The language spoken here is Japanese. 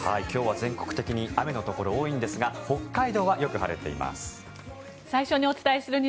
今日は全国的に雨のところ、多いんですが北海道はよく晴れています。